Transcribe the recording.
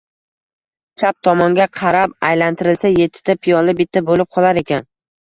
Chap tomonga qarab aylantirilsa yettita piyola bitta bo‘lib qolar ekan